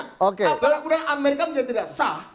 apakah sudah amerika menjadi dasar